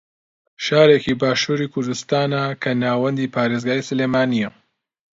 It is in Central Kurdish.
شارێکی باشووری کوردستانە کە ناوەندی پارێزگای سلێمانییە